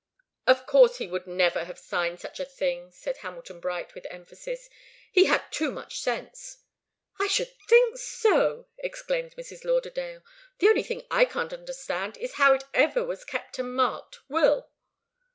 "Of course he would never have signed such a thing!" said Hamilton Bright, with emphasis. "He had too much sense." "I should think so!" exclaimed Mrs. Lauderdale. "The only thing I can't understand is how it ever was kept and marked 'Will.